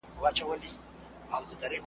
کرنه د خلکو عاید زیاتوي.